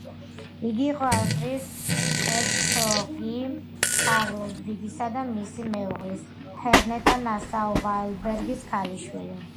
იგი იყო ავსტრიის ერცჰერცოგ კარლ ლუდვიგისა და მისი მეუღლის, ჰენრიეტა ნასაუ-ვაილბურგელის ქალიშვილი.